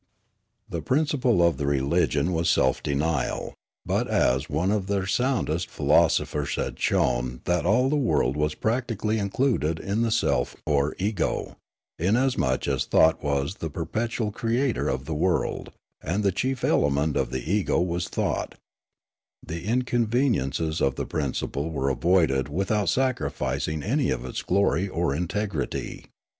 The principle of the religion was self denial ; but as one of their soundest philosophers had shown that all the world was practically included in the self or ego, inasmuch as thought was the perpetual creator of the world, and the chief element of the ego was thought, the inconveniences of the principle were avoided with out sacrificing any of its glory or integrity.